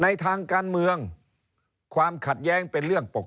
ในทางการเมืองความขัดแย้งเป็นเรื่องปกติ